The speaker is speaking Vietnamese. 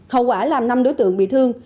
hậu quả làm năm đối tượng bị thương